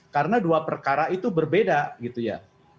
karena dua perkara itu berbeda gitu ya